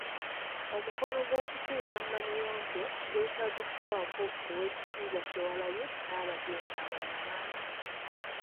Omukolo gw'okutuuza Namuyonjo gwetabiddwako Oweekitiibwa Kyewalabye n'abagenyi abalala bangi.